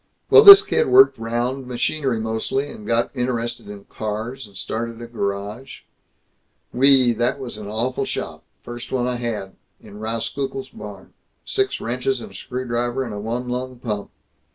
Well, this kid worked 'round, machinery mostly, and got interested in cars, and started a garage Wee, that was an awful shop, first one I had! In Rauskukle's barn. Six wrenches and a screwdriver and a one lung pump!